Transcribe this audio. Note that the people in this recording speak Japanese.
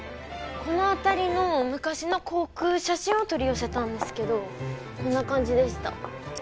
この辺りの昔の航空写真を取り寄せたんですけどこんな感じでした